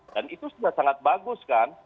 dan itu sudah sangat bagus kan